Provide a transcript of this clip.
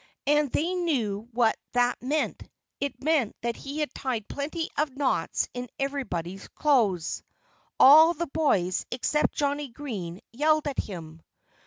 And they knew what that meant. It meant that he had tied plenty of knots in everybody's clothes. All the boys except Johnnie Green yelled at him.